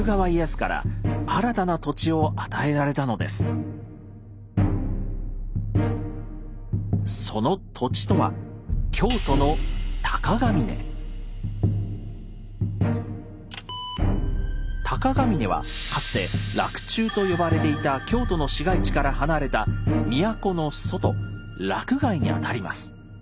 天下統一を果たしたその土地とは京都の鷹峯はかつて「洛中」と呼ばれていた京都の市街地から離れた都の外「洛外」にあたります。